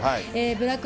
ブラック